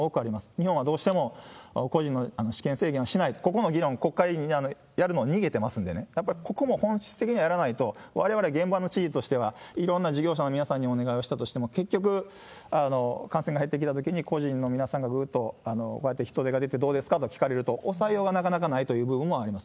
日本はどうしても個人の私権制限をしない、ここの議論、国会、みんなやるの逃げてますので、やっぱりここも本質的にやらないと、われわれ現場の知事としては、いろんな事業者の皆さんにお願いをしたとしても、結局感染が減ってきたときに、個人の皆さんがぐーっと、こうやって人出が出てくるとどうですかと聞かれると抑えようがなかなかないという部分もあります。